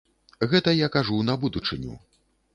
Гэта я кажу на будучыню.